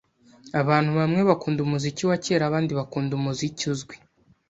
Abantu bamwe bakunda umuziki wa kera, abandi bakunda umuziki uzwi.